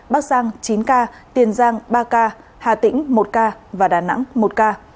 bắc giang chín ca tiền giang ba ca hà tĩnh một ca và đà nẵng một ca